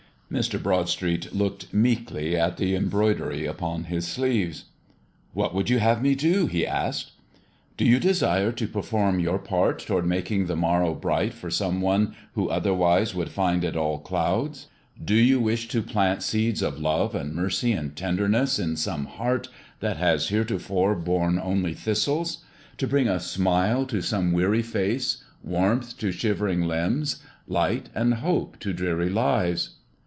Mr. Broadstreet looked meekly at the embroidery upon his sleeves. "What would you have me do?" he asked. "Do you desire to perform your part toward making the morrow bright for some one who otherwise would find it all clouds? Do you wish to plant seeds of love and mercy and tenderness in some heart that has heretofore borne only thistles? To bring a smile to some weary face, warmth to shivering limbs, light and hope to dreary lives?"